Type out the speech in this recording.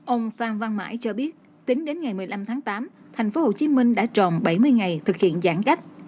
ông phan văn mãi cho biết tính đến ngày một mươi năm tháng tám thành phố hồ chí minh đã tròn bảy mươi ngày thực hiện giãn cách